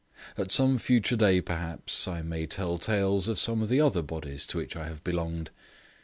At some future day, perhaps, I may tell tales of some of the other bodies to which I have belonged.